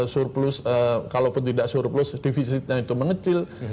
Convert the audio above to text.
surplus kalaupun tidak surplus defisitnya itu mengecil